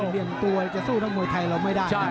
เพียงถึงเราล้อเข้าเชือก